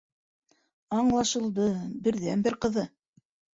— Аңлашылды, берҙән-бер ҡыҙы...